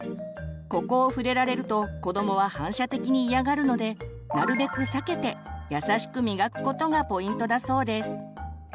ここを触れられると子どもは反射的に嫌がるのでなるべく避けて優しく磨くことがポイントだそうです。